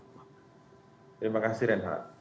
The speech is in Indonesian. terima kasih renha